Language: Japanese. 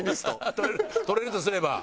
取れるとすれば。